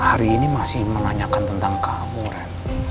saya hari ini masih menanyakan tentang kamu ren